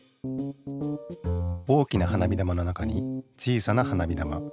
大きな花火玉の中に小さな花火玉。